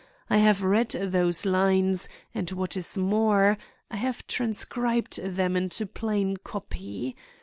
I have read those lines; and what is more, I have transcribed them into plain copy.